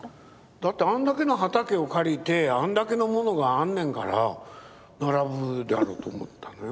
だってあんだけの畑を借りてあんだけのものがあんねんから並ぶだろうと思ったのよ。